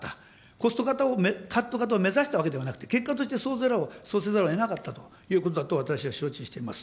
コストカット型を目指したわけではなくて、結果としてそうせざるをえなかったということだと、私は承知しています。